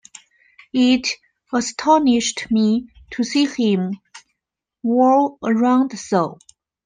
It astonished me to see him whirl around so.